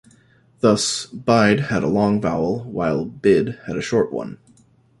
Thus "bide" had a long vowel, while "bid" had a short one.